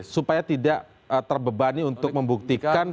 supaya tidak terbebani untuk membuktikan